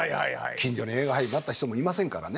近所に映画俳優になった人もいませんからね。